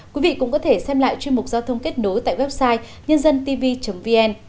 quý vị cũng có thể xem lại chuyên mục giao thông kết nối tại website nhândântv vn